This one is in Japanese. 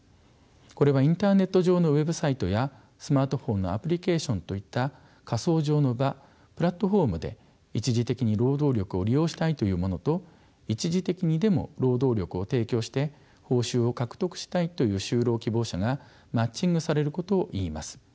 これはインターネット上のウェブサイトやスマートフォンのアプリケーションといった仮想上の場プラットフォームで一時的に労働力を利用したいという者と一時的にでも労働力を提供して報酬を獲得したいという就労希望者がマッチングされることをいいます。